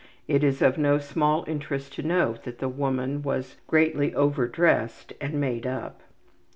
It is of no small interest to note that the woman was greatly over dressed and made up.